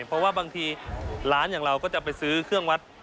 เพราะว่าบางทีร้านอย่างเราก็จะไปซื้อเครื่องวัด